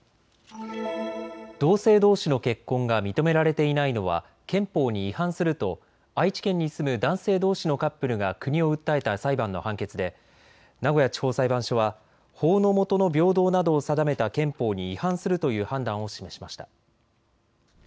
同性どうしの結婚が認められていないのは憲法に違反すると愛知県に住む男性どうしのカップルが国を訴えた裁判の判決で名古屋地方裁判所は法の下の平等などを定めた憲法に違反するという判断を示しました。